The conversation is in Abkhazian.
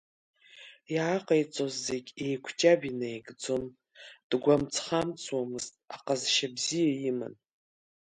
Иааҟаиҵоз зегьы еиқәҷаб инаигӡон, дгәамҵхамҵуамызт, аҟазшьа бзиа иман.